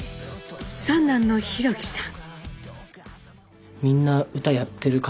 三男の寛樹さん。